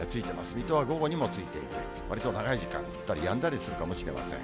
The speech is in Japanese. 水戸は午後にはついていて、わりと長い時間、降ったりやんだりするかもしれません。